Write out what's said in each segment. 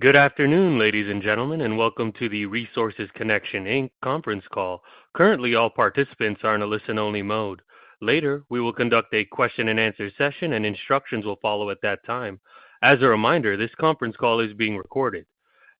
Good afternoon, ladies and gentlemen, and welcome to the Resources Connection, Inc. conference call. Currently, all participants are in a listen-only mode. Later, we will conduct a question-and-answer session, and instructions will follow at that time. As a reminder, this conference call is being recorded.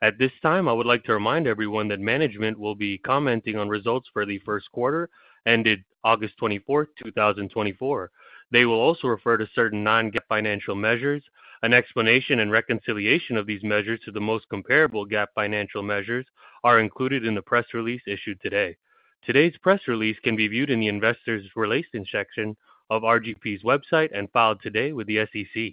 At this time, I would like to remind everyone that management will be commenting on results for the first quarter ended August twenty-fourth, two thousand and twenty-four. They will also refer to certain non-GAAP financial measures. An explanation and reconciliation of these measures to the most comparable GAAP financial measures are included in the press release issued today. Today's press release can be viewed in the Investor Relations section of RGP's website and filed today with the SEC.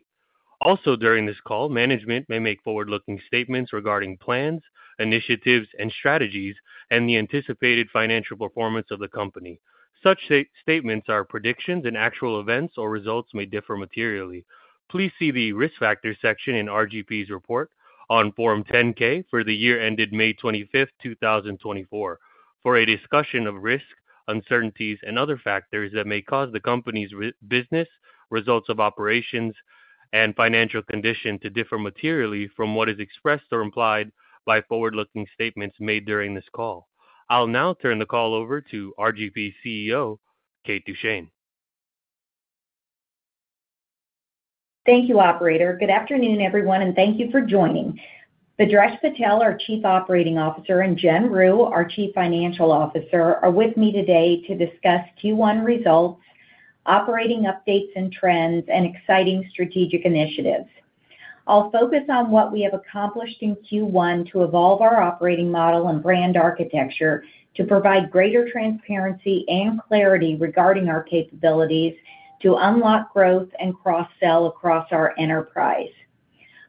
Also, during this call, management may make forward-looking statements regarding plans, initiatives, and strategies and the anticipated financial performance of the company. Such statements are predictions, and actual events or results may differ materially. Please see the Risk Factors section in RGP's report on Form 10-K for the year ended May twenty-fifth, two thousand and twenty-four, for a discussion of risks, uncertainties, and other factors that may cause the company's business, results of operations, and financial condition to differ materially from what is expressed or implied by forward-looking statements made during this call. I'll now turn the call over to RGP's CEO, Kate Duchene. Thank you, operator. Good afternoon, everyone, and thank you for joining. Bhadresh Patel, our Chief Operating Officer, and Jenn Ryu, our Chief Financial Officer, are with me today to discuss Q1 results, operating updates and trends, and exciting strategic initiatives. I'll focus on what we have accomplished in Q1 to evolve our operating model and brand architecture to provide greater transparency and clarity regarding our capabilities to unlock growth and cross-sell across our enterprise.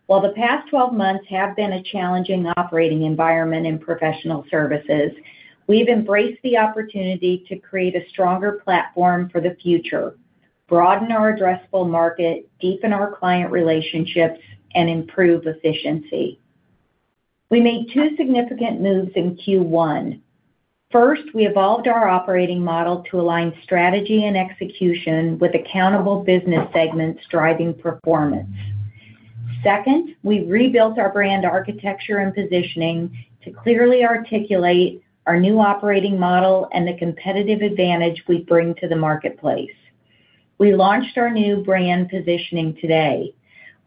While the past twelve months have been a challenging operating environment in professional services, we've embraced the opportunity to create a stronger platform for the future, broaden our addressable market, deepen our client relationships, and improve efficiency. We made two significant moves in Q1. First, we evolved our operating model to align strategy and execution with accountable business segments driving performance. Second, we rebuilt our brand architecture and positioning to clearly articulate our new operating model and the competitive advantage we bring to the marketplace. We launched our new brand positioning today.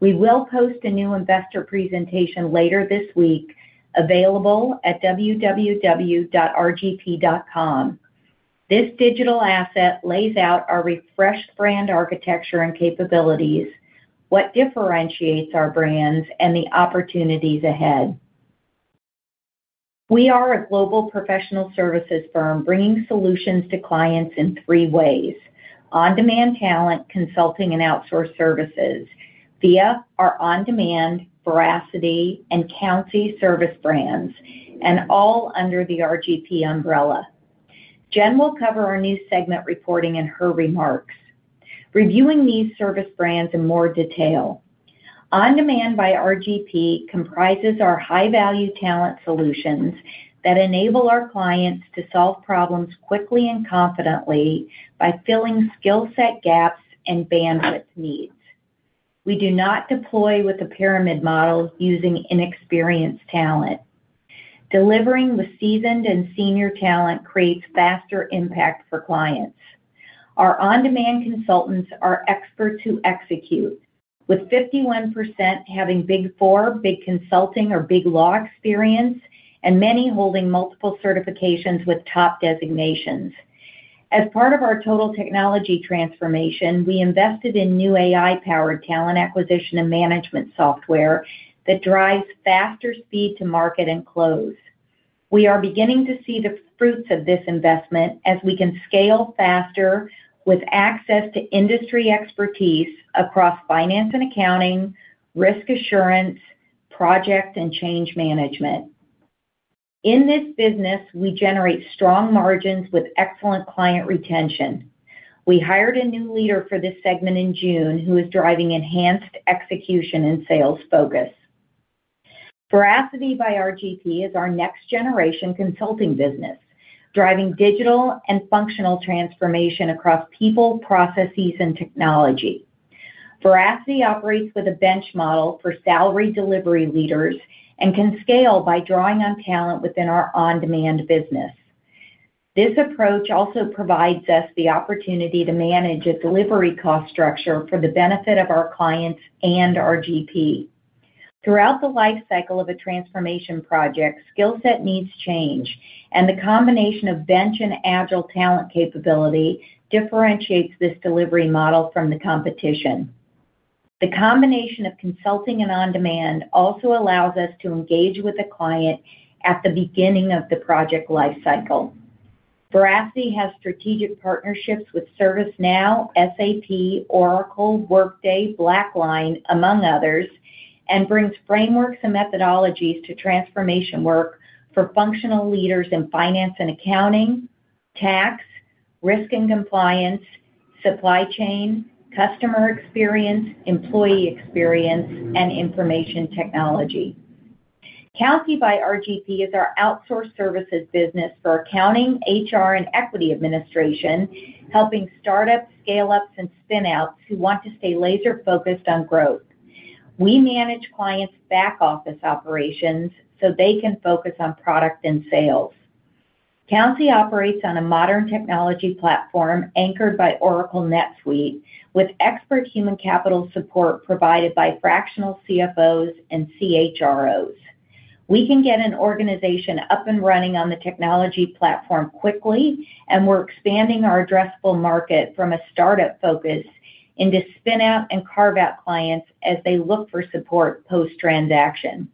We will post a new investor presentation later this week, available at www.rgp.com. This digital asset lays out our refreshed brand architecture and capabilities, what differentiates our brands, and the opportunities ahead. We are a global professional services firm bringing solutions to clients in three ways: on-demand talent, consulting, and outsourced services via our on-demand, Veracity, and Countsy service brands, and all under the RGP umbrella. Jenn will cover our new segment reporting in her remarks, reviewing these service brands in more detail. on-demand by RGP comprises our high-value talent solutions that enable our clients to solve problems quickly and confidently by filling skill set gaps and bandwidth needs. We do not deploy with a pyramid model using inexperienced talent. Delivering with seasoned and senior talent creates faster impact for clients. Our on-demand consultants are experts who execute, with 51% having Big Four, big consulting, or big law experience, and many holding multiple certifications with top designations. As part of our total technology transformation, we invested in new AI-powered talent acquisition and management software that drives faster speed to market and close. We are beginning to see the fruits of this investment as we can scale faster with access to industry expertise across finance and accounting, risk assurance, project, and change management. In this business, we generate strong margins with excellent client retention. We hired a new leader for this segment in June, who is driving enhanced execution and sales focus. Veracity by RGP is our next-generation consulting business, driving digital and functional transformation across people, processes, and technology. Veracity operates with a bench model for salary delivery leaders and can scale by drawing on talent within our on-demand business. This approach also provides us the opportunity to manage a delivery cost structure for the benefit of our clients and RGP. Throughout the life cycle of a transformation project, skill set needs change, and the combination of bench and agile talent capability differentiates this delivery model from the competition. The combination of consulting and on-demand also allows us to engage with the client at the beginning of the project life cycle. Veracity has strategic partnerships with ServiceNow, SAP, Oracle, Workday, BlackLine, among others, and brings frameworks and methodologies to transformation work for functional leaders in finance and accounting, tax, risk and compliance, supply chain, customer experience, employee experience, and information technology.... Countsy by RGP is our outsourced services business for accounting, HR, and equity administration, helping startups, scale-ups, and spin-outs who want to stay laser-focused on growth. We manage clients' back-office operations so they can focus on product and sales. Countsy operates on a modern technology platform anchored by Oracle NetSuite, with expert human capital support provided by fractional CFOs and CHROs. We can get an organization up and running on the technology platform quickly, and we're expanding our addressable market from a startup focus into spin-out and carve-out clients as they look for support post-transaction.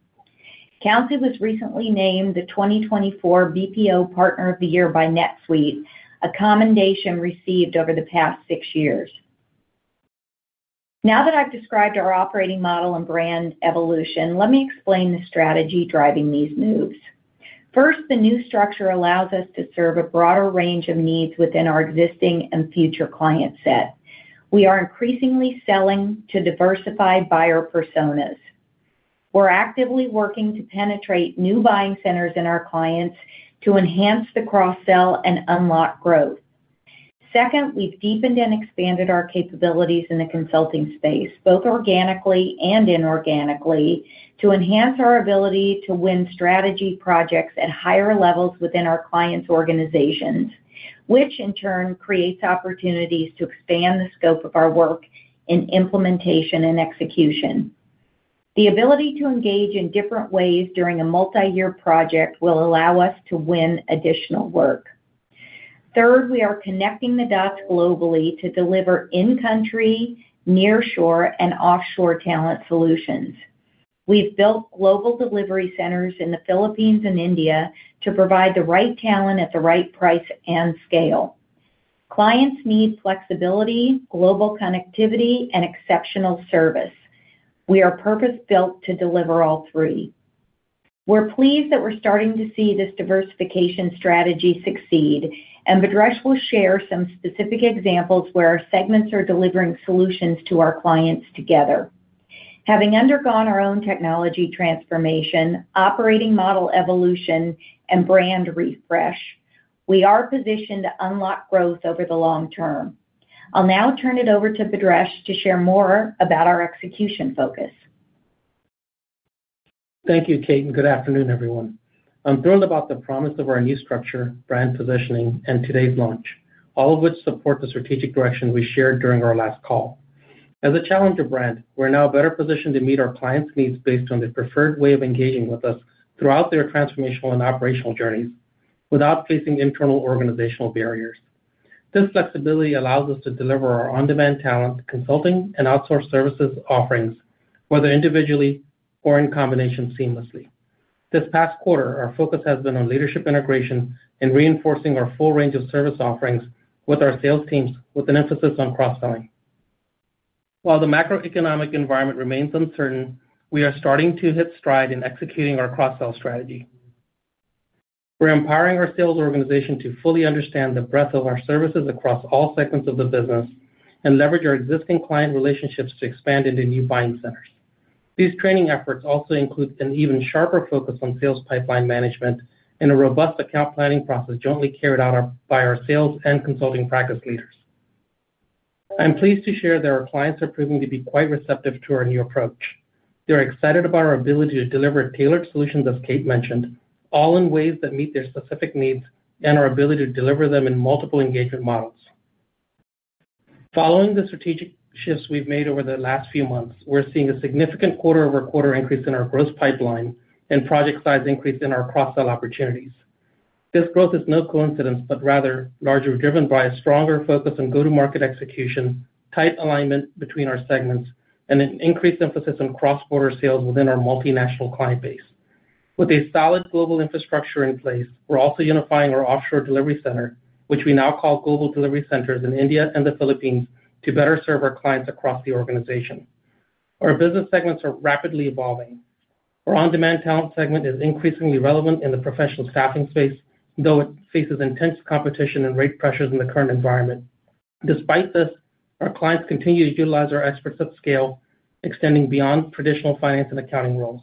Countsy was recently named the 2024 BPO Partner of the Year by NetSuite, a commendation received over the past six years. Now that I've described our operating model and brand evolution, let me explain the strategy driving these moves. First, the new structure allows us to serve a broader range of needs within our existing and future client set. We are increasingly selling to diversified buyer personas. We're actively working to penetrate new buying centers in our clients to enhance the cross-sell and unlock growth. Second, we've deepened and expanded our capabilities in the consulting space, both organically and inorganically, to enhance our ability to win strategy projects at higher levels within our clients' organizations, which in turn creates opportunities to expand the scope of our work in implementation and execution. The ability to engage in different ways during a multi-year project will allow us to win additional work. Third, we are connecting the dots globally to deliver in-country, nearshore, and offshore talent solutions. We've built global delivery centers in the Philippines and India to provide the right talent at the right price and scale. Clients need flexibility, global connectivity, and exceptional service. We are purpose-built to deliver all three. We're pleased that we're starting to see this diversification strategy succeed, and Bhadresh will share some specific examples where our segments are delivering solutions to our clients together. Having undergone our own technology transformation, operating model evolution, and brand refresh, we are positioned to unlock growth over the long term. I'll now turn it over to Bhadresh to share more about our execution focus. Thank you, Kate, and good afternoon, everyone. I'm thrilled about the promise of our new structure, brand positioning, and today's launch, all of which support the strategic direction we shared during our last call. As a challenger brand, we're now better positioned to meet our clients' needs based on their preferred way of engaging with us throughout their transformational and operational journeys without facing internal organizational barriers. This flexibility allows us to deliver our on-demand talent, consulting, and outsourced services offerings, whether individually or in combination seamlessly. This past quarter, our focus has been on leadership integration and reinforcing our full range of service offerings with our sales teams, with an emphasis on cross-selling. While the macroeconomic environment remains uncertain, we are starting to hit stride in executing our cross-sell strategy. We're empowering our sales organization to fully understand the breadth of our services across all segments of the business and leverage our existing client relationships to expand into new buying centers. These training efforts also include an even sharper focus on sales pipeline management and a robust account planning process jointly carried out by our sales and consulting practice leaders. I'm pleased to share that our clients are proving to be quite receptive to our new approach. They're excited about our ability to deliver tailored solutions, as Kate mentioned, all in ways that meet their specific needs and our ability to deliver them in multiple engagement models. Following the strategic shifts we've made over the last few months, we're seeing a significant quarter-over-quarter increase in our growth pipeline and project size increase in our cross-sell opportunities. This growth is no coincidence, but rather largely driven by a stronger focus on go-to-market execution, tight alignment between our segments, and an increased emphasis on cross-border sales within our multinational client base. With a solid global infrastructure in place, we're also unifying our offshore delivery center, which we now call Global Delivery Centers in India and the Philippines, to better serve our clients across the organization. Our business segments are rapidly evolving. Our on-demand talent segment is increasingly relevant in the professional staffing space, though it faces intense competition and rate pressures in the current environment. Despite this, our clients continue to utilize our experts at scale, extending beyond traditional finance and accounting roles.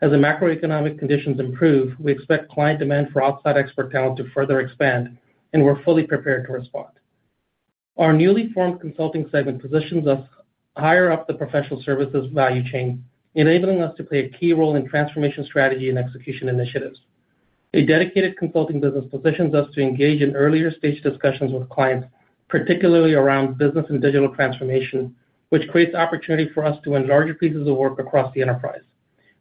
As the macroeconomic conditions improve, we expect client demand for outside expert talent to further expand, and we're fully prepared to respond. Our newly formed consulting segment positions us higher up the professional services value chain, enabling us to play a key role in transformation, strategy, and execution initiatives. A dedicated consulting business positions us to engage in earlier-stage discussions with clients, particularly around business and digital transformation, which creates opportunity for us to win larger pieces of work across the enterprise.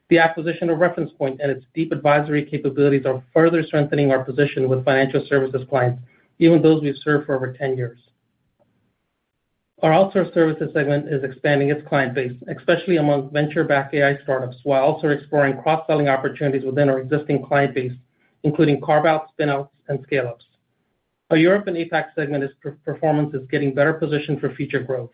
The acquisition of Reference Point and its deep advisory capabilities are further strengthening our position with financial services clients, even those we've served for over 10 years. Our outsourced services segment is expanding its client base, especially among venture-backed AI startups, while also exploring cross-selling opportunities within our existing client base, including carve-outs, spin-outs, and scale-ups. Our Europe and APAC segment performance is getting better positioned for future growth.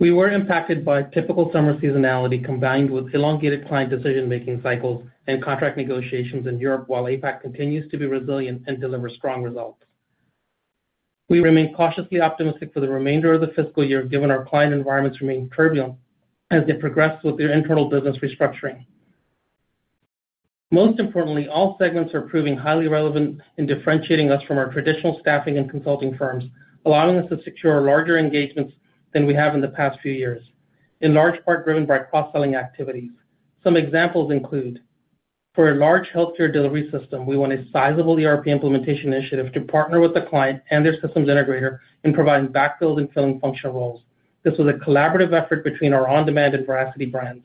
We were impacted by typical summer seasonality, combined with elongated client decision-making cycles and contract negotiations in Europe, while APAC continues to be resilient and deliver strong results. We remain cautiously optimistic for the remainder of the fiscal year, given our client environments remain turbulent as they progress with their internal business restructuring. Most importantly, all segments are proving highly relevant in differentiating us from our traditional staffing and consulting firms, allowing us to secure larger engagements than we have in the past few years, in large part driven by cross-selling activities. Some examples include, for a large healthcare delivery system, we won a sizable ERP implementation initiative to partner with the client and their systems integrator in providing backfill and filling functional roles. This was a collaborative effort between our on-demand and Veracity brands.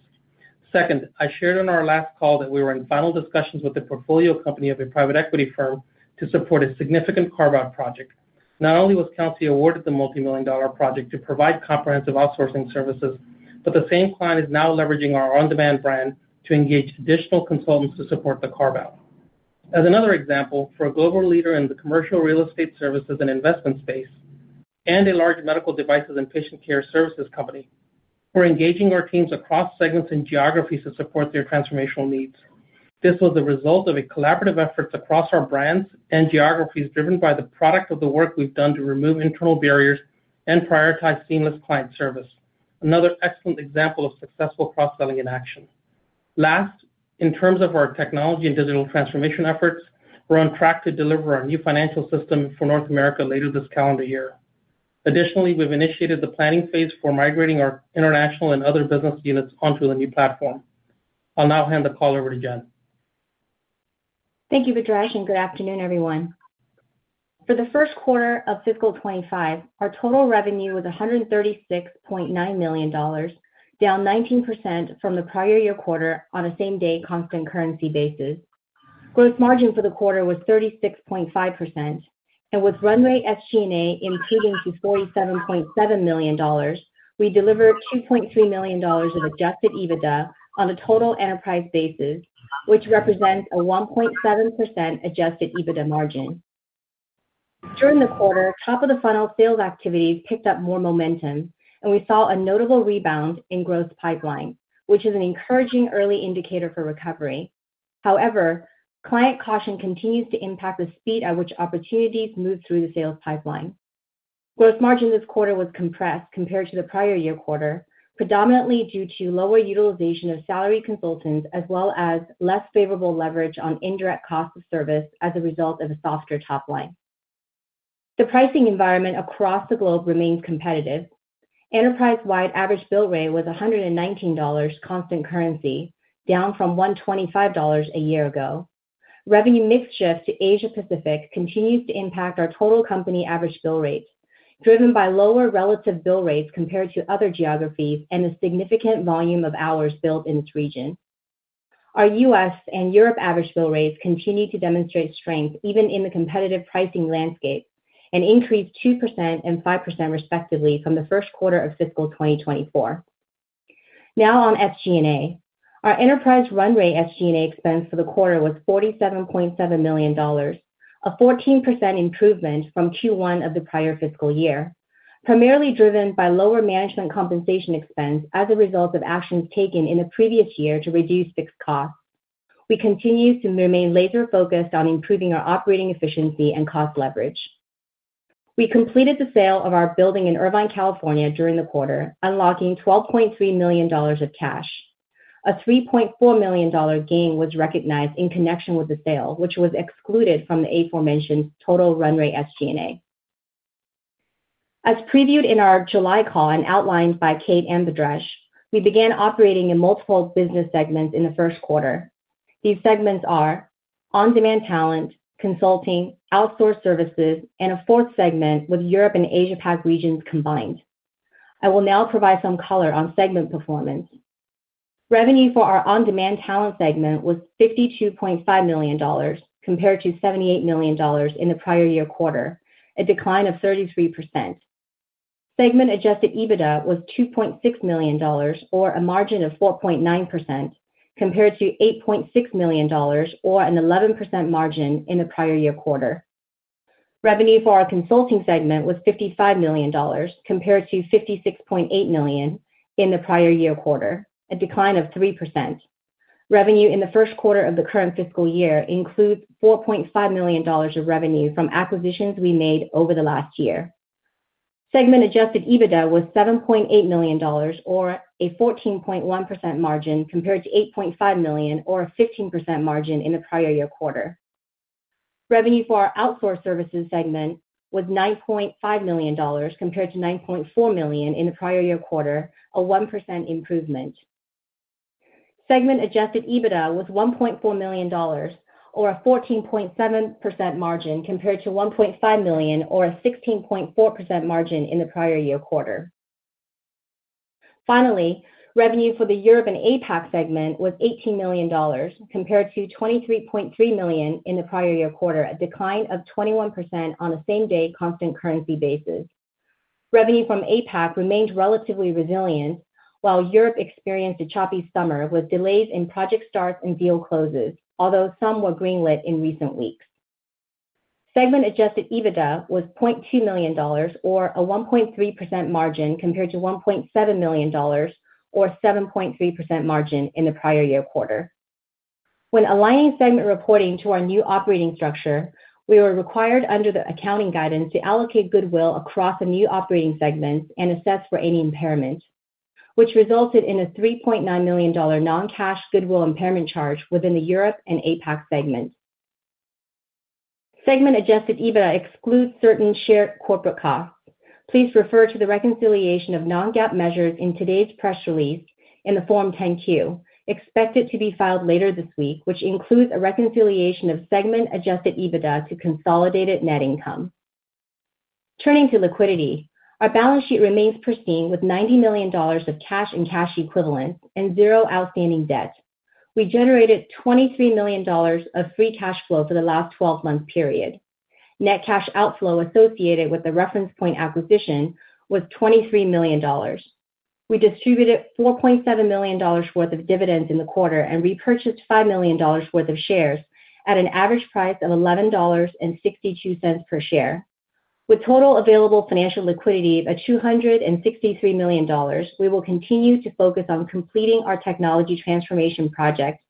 Second, I shared on our last call that we were in final discussions with the portfolio company of a private equity firm to support a significant carve-out project. Not only was Countsy awarded the multimillion-dollar project to provide comprehensive outsourcing services, but the same client is now leveraging our on-demand brand to engage additional consultants to support the carve-out. As another example, for a global leader in the commercial real estate services and investment space, and a large medical devices and patient care services company, we're engaging our teams across segments and geographies to support their transformational needs. This was the result of a collaborative efforts across our brands and geographies, driven by the product of the work we've done to remove internal barriers and prioritize seamless client service. Another excellent example of successful cross-selling in action. Last, in terms of our technology and digital transformation efforts, we're on track to deliver our new financial system for North America later this calendar year. Additionally, we've initiated the planning phase for migrating our international and other business units onto the new platform. I'll now hand the call over to Jenn. Thank you, Bhadresh, and good afternoon, everyone. For the first quarter of fiscal 2025, our total revenue was $136.9 million, down 19% from the prior year quarter on a same-day constant currency basis. Gross margin for the quarter was 36.5%, and with run rate SG&A improving to $47.7 million, we delivered $2.3 million of adjusted EBITDA on a total enterprise basis, which represents a 1.7% adjusted EBITDA margin. During the quarter, top-of-the-funnel sales activities picked up more momentum, and we saw a notable rebound in growth pipeline, which is an encouraging early indicator for recovery. However, client caution continues to impact the speed at which opportunities move through the sales pipeline. Gross margin this quarter was compressed compared to the prior year quarter, predominantly due to lower utilization of salaried consultants, as well as less favorable leverage on indirect cost of service as a result of a softer top line. The pricing environment across the globe remains competitive. Enterprise-wide average bill rate was $119 constant currency, down from $125 a year ago. Revenue mix shift to Asia Pacific continues to impact our total company average bill rates, driven by lower relative bill rates compared to other geographies and a significant volume of hours billed in this region. Our U.S. and Europe average bill rates continue to demonstrate strength, even in the competitive pricing landscape, and increased 2% and 5% respectively from the first quarter of fiscal 2024. Now on SG&A. Our enterprise run rate SG&A expense for the quarter was $47.7 million, a 14% improvement from Q1 of the prior fiscal year, primarily driven by lower management compensation expense as a result of actions taken in the previous year to reduce fixed costs. We continue to remain laser-focused on improving our operating efficiency and cost leverage. We completed the sale of our building in Irvine, California, during the quarter, unlocking $12.3 million of cash. A $3.4 million gain was recognized in connection with the sale, which was excluded from the aforementioned total run rate SG&A. As previewed in our July call and outlined by Kate and Bhadresh, we began operating in multiple business segments in the first quarter. These segments are on-demand talent, consulting, outsourced services, and a fourth segment with Europe and Asia Pac regions combined. I will now provide some color on segment performance. Revenue for our on-demand talent segment was $52.5 million, compared to $78 million in the prior year quarter, a decline of 33%. Segment Adjusted EBITDA was $2.6 million, or a margin of 4.9%, compared to $8.6 million or an 11% margin in the prior year quarter. Revenue for our consulting segment was $55 million, compared to $56.8 million in the prior year quarter, a decline of 3%. Revenue in the first quarter of the current fiscal year includes $4.5 million of revenue from acquisitions we made over the last year. Segment Adjusted EBITDA was $7.8 million, or a 14.1% margin, compared to $8.5 million, or a 15% margin in the prior year quarter. Revenue for our Outsourced Services segment was $9.5 million, compared to $9.4 million in the prior year quarter, a 1% improvement. Segment Adjusted EBITDA was $1.4 million or a 14.7% margin, compared to $1.5 million or a 16.4% margin in the prior year quarter. Finally, revenue for the Europe and APAC segment was $18 million, compared to $23.3 million in the prior year quarter, a decline of 21% on a same-day constant currency basis. Revenue from APAC remained relatively resilient, while Europe experienced a choppy summer with delays in project starts and deal closes, although some were greenlit in recent weeks. Segment-adjusted EBITDA was $0.2 million, or a 1.3% margin, compared to $1.7 million or 7.3% margin in the prior year quarter. When aligning segment reporting to our new operating structure, we were required under the accounting guidance to allocate goodwill across the new operating segments and assess for any impairment, which resulted in a $3.9 million non-cash goodwill impairment charge within the Europe and APAC segment. Segment-adjusted EBITDA excludes certain shared corporate costs. Please refer to the reconciliation of non-GAAP measures in today's press release in the Form 10-Q, expected to be filed later this week, which includes a reconciliation of segment-adjusted EBITDA to consolidated net income. Turning to liquidity, our balance sheet remains pristine, with $90 million of cash and cash equivalents and zero outstanding debt. We generated $23 million of free cash flow for the last twelve-month period. Net cash outflow associated with the Reference Point acquisition was $23 million. We distributed $4.7 million worth of dividends in the quarter and repurchased $5 million worth of shares at an average price of $11.62 per share. With total available financial liquidity of $263 million, we will continue to focus on completing our technology transformation project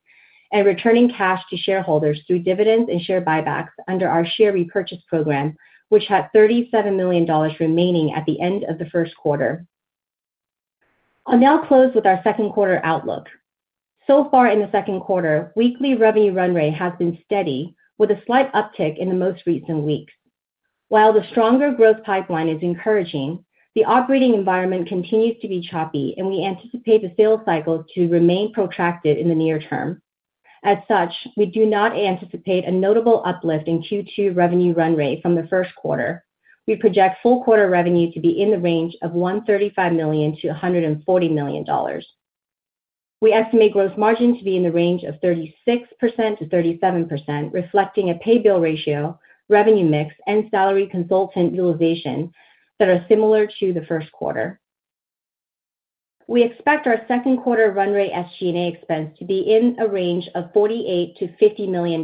and returning cash to shareholders through dividends and share buybacks under our share repurchase program, which had $37 million remaining at the end of the first quarter. I'll now close with our second quarter outlook. So far in the second quarter, weekly revenue run rate has been steady, with a slight uptick in the most recent weeks. While the stronger growth pipeline is encouraging, the operating environment continues to be choppy, and we anticipate the sales cycle to remain protracted in the near term. As such, we do not anticipate a notable uplift in Q2 revenue run rate from the first quarter. We project full quarter revenue to be in the range of $135 million-$140 million. We estimate gross margin to be in the range of 36%-37%, reflecting a pay/bill ratio, revenue mix, and salary consultant utilization that are similar to the first quarter. We expect our second quarter run rate SG&A expense to be in a range of $48 million-$50 million.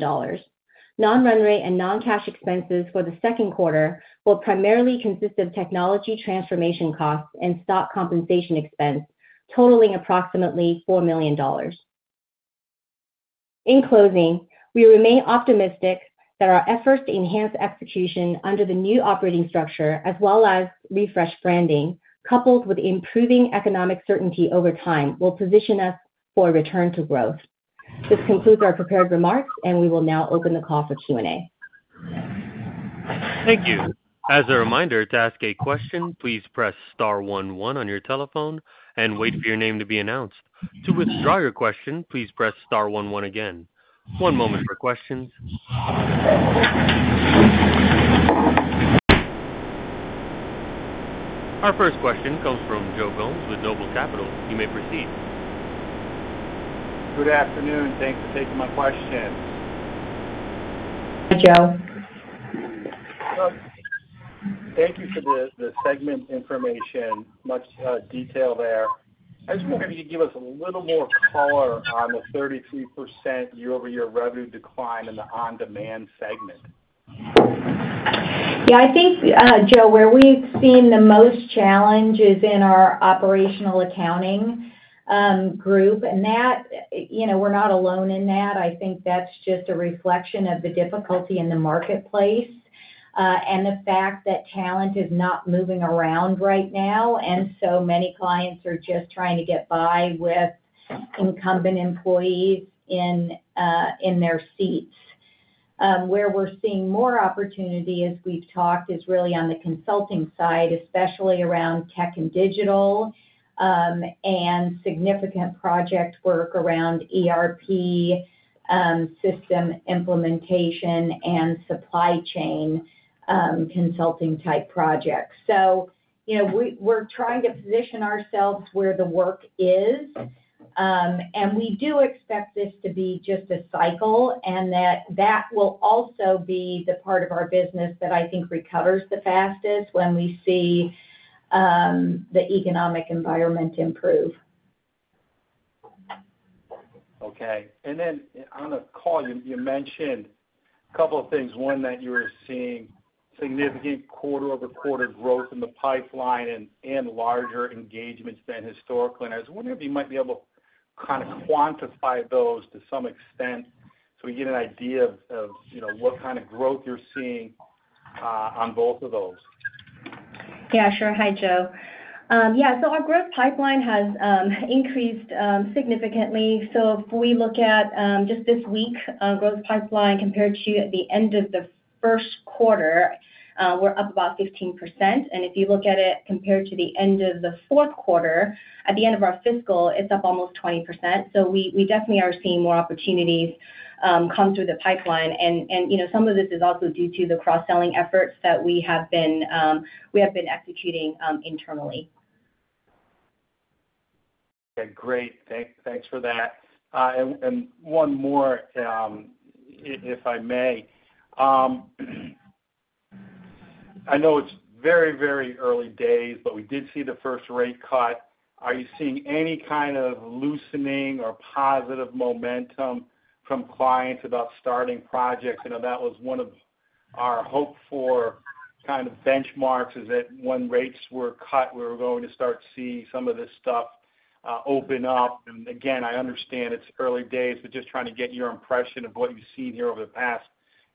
Non-run rate and non-cash expenses for the second quarter will primarily consist of technology transformation costs and stock compensation expense, totaling approximately $4 million. In closing, we remain optimistic that our efforts to enhance execution under the new operating structure, as well as refreshed branding, coupled with improving economic certainty over time, will position us for a return to growth. This concludes our prepared remarks, and we will now open the call for Q&A. Thank you. As a reminder, to ask a question, please press star one one on your telephone and wait for your name to be announced. To withdraw your question, please press star one one again. One moment for questions. Our first question comes from Joe Gomes with Noble Capital Markets. You may proceed. Good afternoon. Thanks for taking my question. Hi, Joe. Thank you for the segment information. Much detail there. I was wondering if you could give us a little more color on the 33% year-over-year revenue decline in the on-demand segment? Yeah, I think, Joe, where we've seen the most challenge is in our operational accounting group. And that, you know, we're not alone in that. I think that's just a reflection of the difficulty in the marketplace, and the fact that talent is not moving around right now, and so many clients are just trying to get by with incumbent employees in their seats. Where we're seeing more opportunity, as we've talked, is really on the consulting side, especially around tech and digital, and significant project work around ERP system implementation and supply chain consulting-type projects. So, you know, we're trying to position ourselves where the work is. And we do expect this to be just a cycle and that that will also be the part of our business that I think recovers the fastest when we see the economic environment improve. Okay. And then on the call, you mentioned a couple of things. One, that you were seeing significant quarter-over-quarter growth in the pipeline and larger engagements than historically. And I was wondering if you might be able to kind of quantify those to some extent so we get an idea of you know what kind of growth you're seeing on both of those. Yeah, sure. Hi, Joe. Yeah, so our growth pipeline has increased significantly. So if we look at just this week, growth pipeline compared to the end of the first quarter, we're up about 15%. And if you look at it compared to the end of the fourth quarter, at the end of our fiscal, it's up almost 20%. So we definitely are seeing more opportunities come through the pipeline. And you know, some of this is also due to the cross-selling efforts that we have been executing internally. Okay, great. Thanks for that. And one more, if I may. I know it's very, very early days, but we did see the first rate cut. Are you seeing any kind of loosening or positive momentum from clients about starting projects? I know that was one of our hopes for kind of benchmarks is that when rates were cut, we were going to start to see some of this stuff open up. And again, I understand it's early days, but just trying to get your impression of what you've seen here over the past,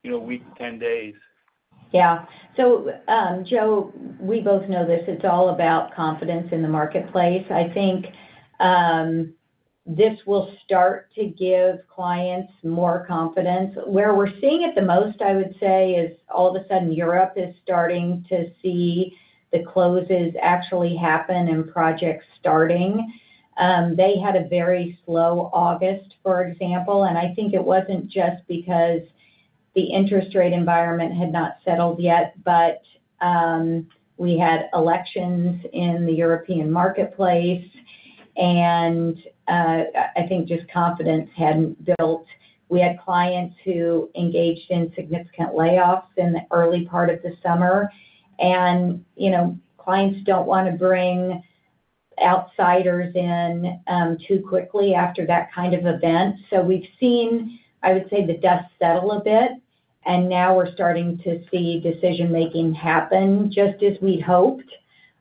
you know, week to 10 days. Yeah. So, Joe, we both know this, it's all about confidence in the marketplace. I think this will start to give clients more confidence. Where we're seeing it the most, I would say, is all of a sudden, Europe is starting to see the closes actually happen and projects starting. They had a very slow August, for example, and I think it wasn't just because the interest rate environment had not settled yet, but we had elections in the European marketplace, and I think just confidence hadn't built. We had clients who engaged in significant layoffs in the early part of the summer, and you know, clients don't want to bring outsiders in too quickly after that kind of event. So we've seen, I would say, the dust settle a bit, and now we're starting to see decision-making happen just as we'd hoped.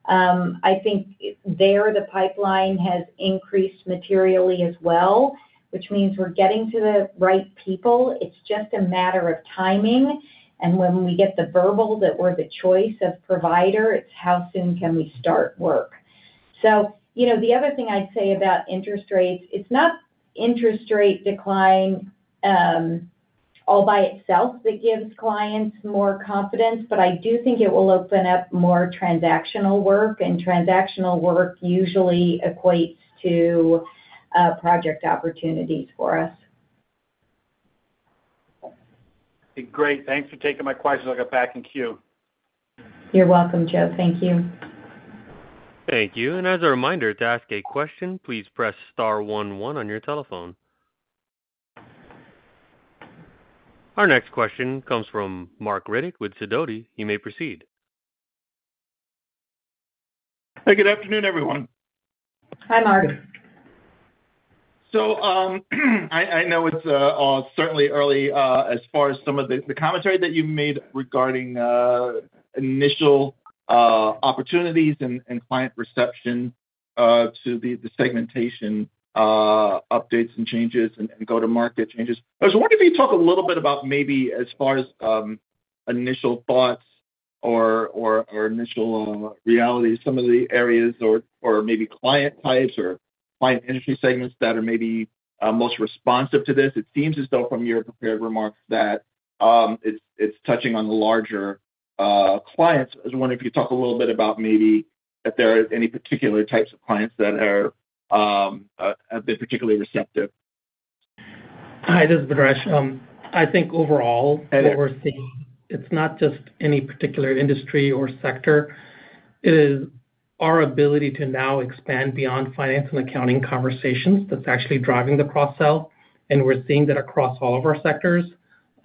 I think there, the pipeline has increased materially as well, which means we're getting to the right people. It's just a matter of timing, and when we get the verbal that we're the choice of provider, it's how soon can we start work? So, you know, the other thing I'd say about interest rates, it's not interest rate decline, all by itself that gives clients more confidence, but I do think it will open up more transactional work, and transactional work usually equates to, project opportunities for us. Great. Thanks for taking my questions. I'll get back in queue. You're welcome, Joe. Thank you. Thank you. And as a reminder, to ask a question, please press star one one on your telephone. Our next question comes from Marc Riddick with Sidoti. You may proceed. Hey, good afternoon, everyone. Hi, Mark. So, I know it's certainly early as far as some of the commentary that you've made regarding initial opportunities and client perception to the segmentation updates and changes and go-to-market changes. I was wondering if you could talk a little bit about maybe as far as initial thoughts or initial reality, some of the areas or maybe client types or client industry segments that are maybe most responsive to this. It seems as though from your prepared remarks that it's touching on the larger clients. I was wondering if you could talk a little bit about maybe if there are any particular types of clients that have been particularly receptive. Hi, this is Bhadresh. I think overall, what we're seeing, it's not just any particular industry or sector. It is our ability to now expand beyond finance and accounting conversations that's actually driving the cross-sell, and we're seeing that across all of our sectors.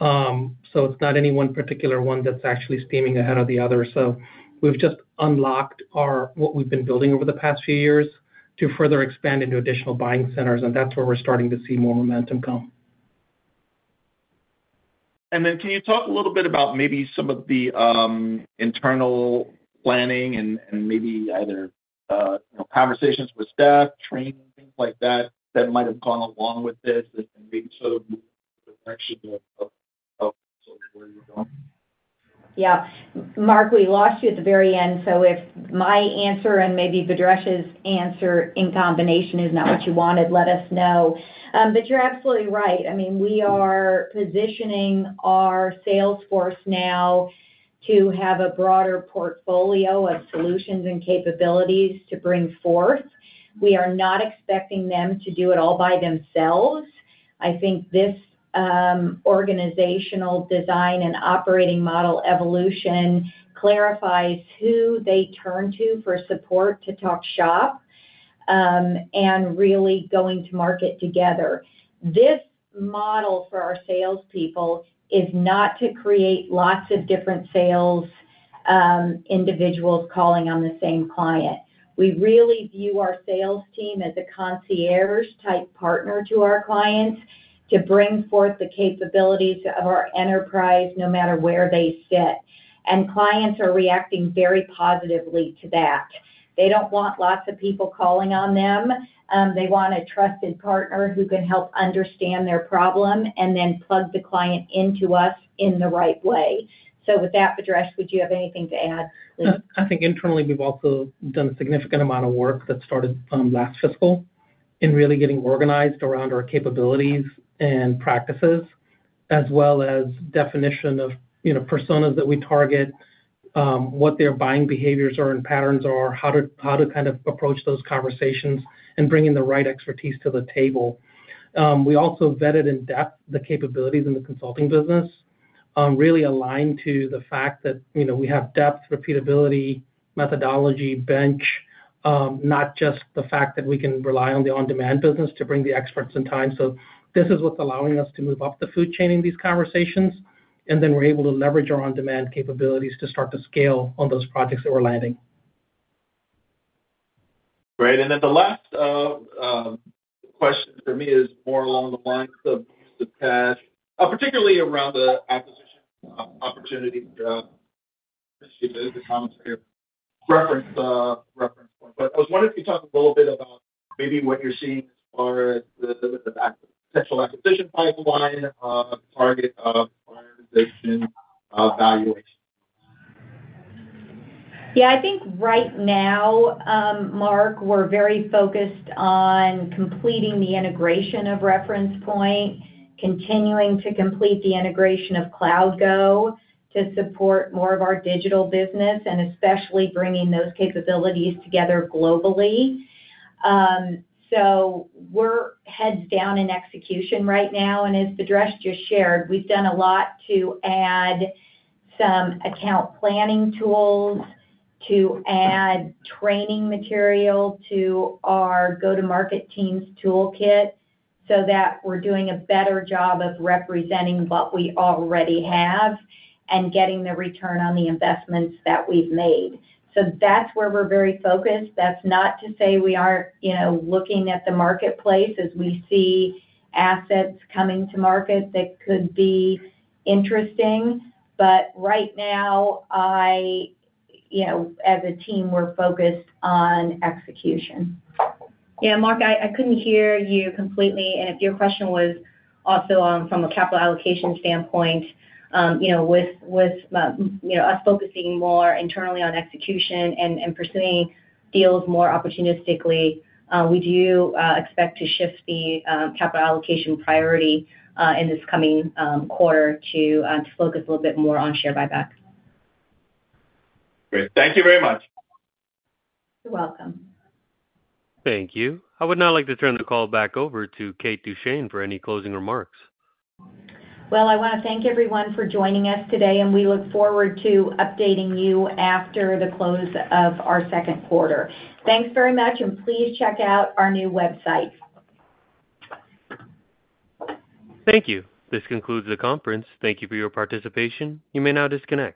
So it's not any one particular one that's actually steaming ahead of the other. So we've just unlocked our, what we've been building over the past few years to further expand into additional buying centers, and that's where we're starting to see more momentum come. And then can you talk a little bit about maybe some of the internal planning and and maybe either you know conversations with staff, training, things like that, that might have gone along with this and maybe sort of the direction of where you're going? Yeah. Marc, we lost you at the very end, so if my answer and maybe Bhadresh's answer in combination is not what you wanted, let us know. But you're absolutely right. I mean, we are positioning our sales force now to have a broader portfolio of solutions and capabilities to bring forth. We are not expecting them to do it all by themselves. I think this organizational design and operating model evolution clarifies who they turn to for support, to talk shop, and really going to market together. This model for our salespeople is not to create lots of different sales individuals calling on the same client. We really view our sales team as a concierge-type partner to our clients to bring forth the capabilities of our enterprise, no matter where they sit, and clients are reacting very positively to that. They don't want lots of people calling on them. They want a trusted partner who can help understand their problem and then plug the client into us in the right way. So with that, Bhadresh, would you have anything to add please? I think internally, we've also done a significant amount of work that started last fiscal in really getting organized around our capabilities and practices, as well as definition of, you know, personas that we target, what their buying behaviors are and patterns are, how to kind of approach those conversations and bringing the right expertise to the table. We also vetted in depth the capabilities in the consulting business, really aligned to the fact that, you know, we have depth, repeatability, methodology, bench, not just the fact that we can rely on the on-demand business to bring the experts in time. So this is what's allowing us to move up the food chain in these conversations, and then we're able to leverage our on-demand capabilities to start to scale on those projects that we're landing.... Great. And then the last question for me is more along the lines of cash, particularly around the acquisition opportunity, the comments here, Reference Point. But I was wondering if you talk a little bit about maybe what you're seeing as far as the potential acquisition pipeline, target prioritization, valuation? Yeah, I think right now, Marc, we're very focused on completing the integration of Reference Point, continuing to complete the integration of CloudGo, to support more of our digital business, and especially bringing those capabilities together globally, so we're heads down in execution right now, and as Bhadresh just shared, we've done a lot to add some account planning tools, to add training material to our go-to-market teams toolkit, so that we're doing a better job of representing what we already have and getting the return on the investments that we've made, so that's where we're very focused. That's not to say we aren't, you know, looking at the marketplace as we see assets coming to market that could be interesting, but right now, I, you know, as a team, we're focused on execution. Yeah, Marc, I couldn't hear you completely, and if your question was also on from a capital allocation standpoint, you know, with us focusing more internally on execution and pursuing deals more opportunistically, we do expect to shift the capital allocation priority in this coming quarter to focus a little bit more on share buyback. Great. Thank you very much. You're welcome. Thank you. I would now like to turn the call back over to Kate Duchene for any closing remarks. Well, I wanna thank everyone for joining us today, and we look forward to updating you after the close of our second quarter. Thanks very much, and please check out our new website. Thank you. This concludes the conference. Thank you for your participation. You may now disconnect.